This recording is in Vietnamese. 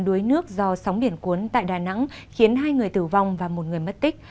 đuối nước do sóng biển cuốn tại đà nẵng khiến hai người tử vong và một người mất tích